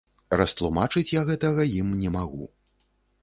Растлумачыць я гэтага ім не магу.